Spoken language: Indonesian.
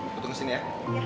kutunggu sini ya